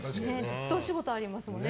ずっとお仕事ありますもんね